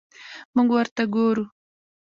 موږ ورته ګورو.